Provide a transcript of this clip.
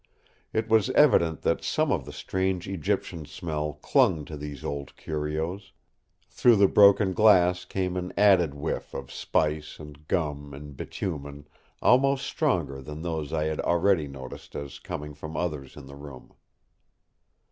It was evident that some of the strange Egyptian smell clung to these old curios; through the broken glass came an added whiff of spice and gum and bitumen, almost stronger than those I had already noticed as coming from others in the room.